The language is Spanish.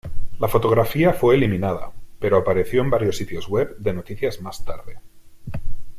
La fotografía fue eliminada, pero apareció en varios sitios web de noticias más tarde.